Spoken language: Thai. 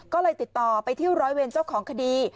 ก็เลยติดต่อไปที่ร้อยเวรเจ้าของคดี